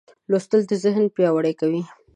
لوستل ذهن پیاوړی کوي.